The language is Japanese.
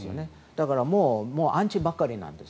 だからアンチばっかりなんです。